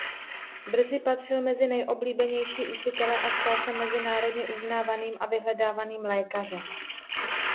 Brzy patřil mezi nejoblíbenější učitele a stal se mezinárodně uznávaným a vyhledávaným lékařem.